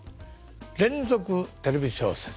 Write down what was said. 連続テレビ小説